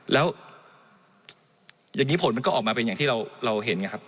แล้วอย่างนี้ผลมันก็ออกมาเป็นอย่างที่เราเห็นไงครับ